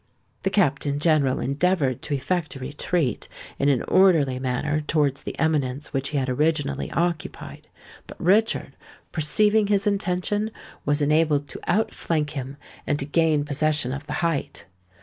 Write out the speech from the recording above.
The Captain General endeavoured to effect a retreat in an orderly manner towards the eminence which he had originally occupied; but Richard, perceiving his intention, was enabled to out flank him, and to gain possession of the height.